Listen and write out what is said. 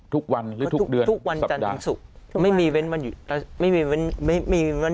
ทุกวันหรือทุกเดือนสัปดาห์ทุกวันจันทร์ถึงศุกร์